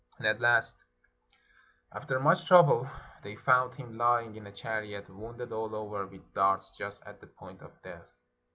And at last, after much trouble, they found him lying in a chariot, wounded all over with darts, just at the point of death.